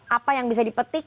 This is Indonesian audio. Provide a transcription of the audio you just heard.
apa yang bisa dipetik